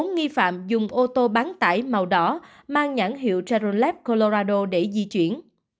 bốn nghi phạm dùng ô tô bán tải màu đỏ mang nhãn hiệu general lab colorado để di chuyển